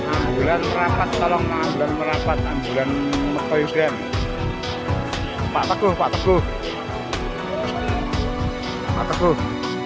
ambulans rapat tolong ambulans merapat ambulans metoyuzem pak teguh pak teguh pak teguh